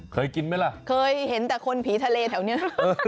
เคยกินไหมล่ะเคยเห็นแต่คนผีทะเลแถวนี้